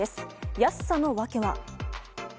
安さの訳は。